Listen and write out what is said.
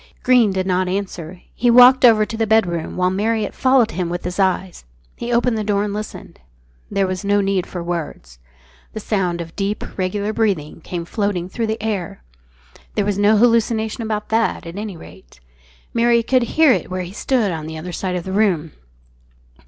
Greene did not answer. He walked over to the bedroom, while Marriott followed him with his eyes. He opened the door, and listened. There was no need for words. The sound of deep, regular breathing came floating through the air. There was no hallucination about that, at any rate. Marriott could hear it where he stood on the other side of the room.